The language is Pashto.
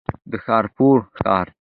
د ښاپورو ښار.